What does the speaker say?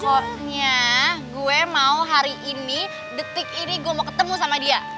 pokoknya gue mau hari ini detik ini gue mau ketemu sama dia